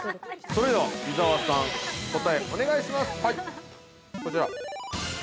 ◆それでは伊沢さん、答えお願いします。